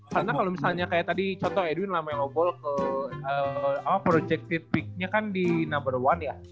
karena kalo misalnya kayak tadi contoh edwin lama yang ngobrol ke projective picknya kan di number one ya